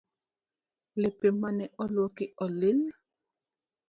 Lepe mane oluoki olil